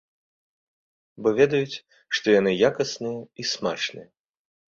Бо ведаюць, што яны якасныя і смачныя.